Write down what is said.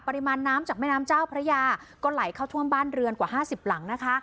ปริมาณน้ำจากแม่น้ำเจ้าพระยาก็ไหลเข้าท่วมบ้านเรือนกว่าห้าสิบหลังนะคะ